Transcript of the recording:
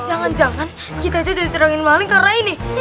jangan jangan kita itu diteriakin waling karena ini